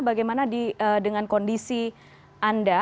bagaimana dengan kondisi anda